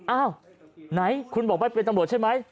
อ้าวไหนคุณบอกว่าเป็นตำรวจใช่ไหม